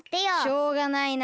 しょうがないな。